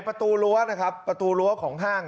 ประตูรั้วนะครับประตูรั้วของห้าง